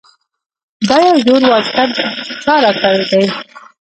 دا یو زوړ واسکټ چا راکړے دے ـ